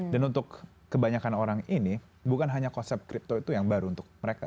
dan untuk kebanyakan orang ini bukan hanya konsep kripto itu yang baru untuk mereka